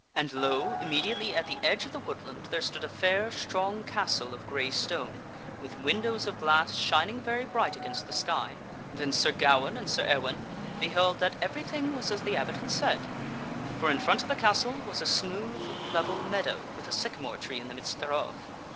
And, lo ! immediately at the edge of THEY BEHELD A STRANGE SIGHT 245 the woodland there stood a fair, strong castle of gray stone, with windows of glass shining very bright against the sky. Then Sir Gawaine and Sir Ewaine beheld that everything was as the abbot had said ; for in front of the castle was a smooth, level meadow with a sycamore tree in the midst thereof.